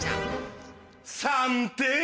３点！